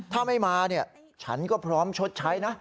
ถ้าไม่มาเนี่ยฉันก็พร้อมชดใช้นะ